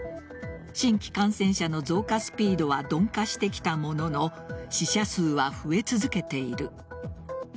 新規感染者の増加スピードは鈍化してきたものの死者数は増え続けている。